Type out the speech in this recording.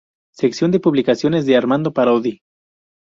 Selección de publicaciones de Armando Parodiː